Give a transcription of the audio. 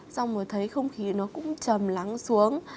xong rồi thấy không khí nó cũng chầm lắng xuống